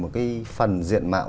một cái phần diện mạo